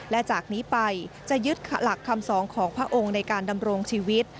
และจากนี้ไปจะยึดหลักคำสองของพระองค์ในการดำรงชีวิต